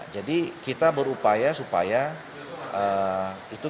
jadi kita berupaya supaya itu kita lakukan